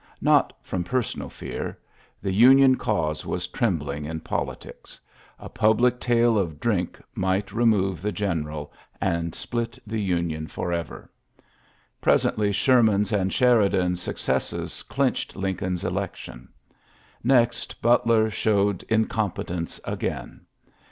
Kot from personal fear. The Union cause was trembling in politics. A pub lic tale of drink might remove the gen eral, and split the Union forever. Pres ently Sherman's and Sheridan's suc cesses clinched Lincoln's election. Kext Butler showed incompetence again.